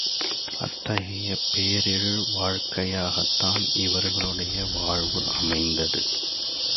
அத்தகைய பேரெழில் வாழ்க்கையாகத்தான் இவர்களுடைய வாழ்வு அமைந்தது.